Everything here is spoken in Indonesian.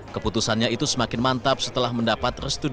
keputusannya itu semakin mantap setelah mendapat restu